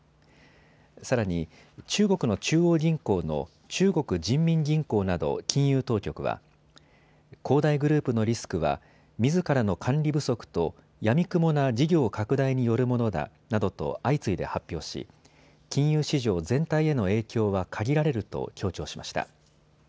さらに中国の中央銀行の中国人民銀行など金融当局は恒大グループのリスクはみずからの管理不足とやみくもな事業拡大によるものだなどと相次いで発表し、金融市場全体への影響は限られると強調しました。